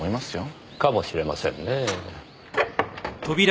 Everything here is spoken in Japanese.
かもしれませんねえ。